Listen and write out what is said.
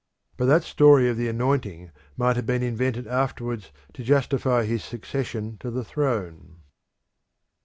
But that story of the anointing might have been invented afterwards to justify his succession to the throne.